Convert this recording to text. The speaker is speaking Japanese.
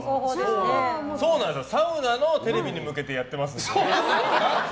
サウナのテレビに向けてやってますのでね。